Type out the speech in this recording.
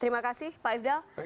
terima kasih pak ifdal